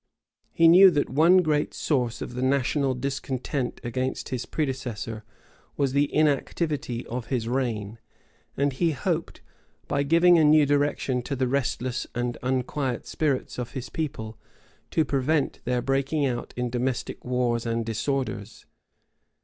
He knew that one great source of the national discontent against his predecessor was the inactivity of his reign; and he hoped, by giving a new direction to the restless and unquiet spirits of his people, to prevent their breaking out in domestic wars and disorders.